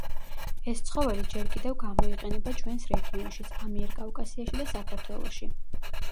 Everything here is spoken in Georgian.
ეს ცხოველი ჯერ კიდევ გამოიყენება ჩვენს რეგიონშიც, ამიერკავკასიაში და საქართველოში.